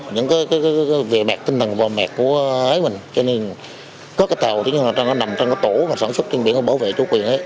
những vệ sản xuất trên biển bảo vệ chủ quyền